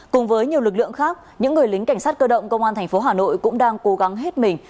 cùng với nhiều lực lượng khác những người lính cảnh sát cơ động công an thành phố hà nội cũng đang cố gắng hết mình